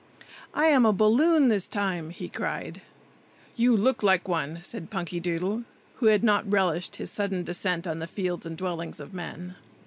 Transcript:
"I am a balloon this time!" he cried. "You look like one!" said Punkydoodle, who had not relished his sudden descent on the fields and dwellings of men.